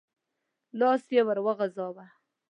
لاس يې ور وغځاوه.